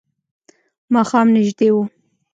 ماښام نژدې و.